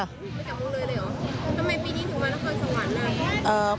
ไม่จากเมืองเลยเลยเหรอทำไมปีนี้ถึงมานักภัยสวรรค์ล่ะ